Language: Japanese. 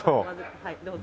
はいどうぞ。